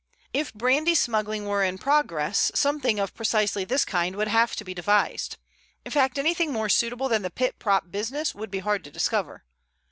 If brandy smuggling were in progress something of precisely this kind would have to be devised. In fact anything more suitable than the pit prop business would be hard to discover.